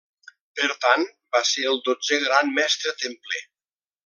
Per tant, va ser el dotzè Gran Mestre Templer.